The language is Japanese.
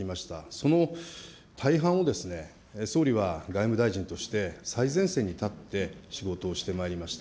その大半を、総理は外務大臣として最前線に立って仕事をしてまいりました。